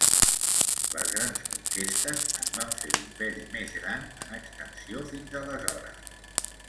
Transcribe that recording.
Les grans conquestes en van fer l'imperi més gran en extensió fins aleshores.